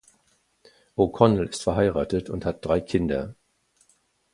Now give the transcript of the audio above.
O’Connell ist verheiratet und hat drei Kinder.